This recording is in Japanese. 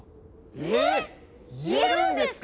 えっ言えるんですか